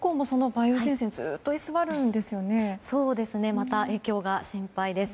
また影響が心配です。